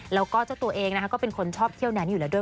แล้วก็เจ้าตัวเองนะคะก็เป็นคนชอบเที่ยวแดนนี้อยู่แล้วด้วย